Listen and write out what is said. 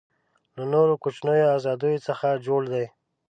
له نورو کوچنیو آزادیو څخه جوړ دی.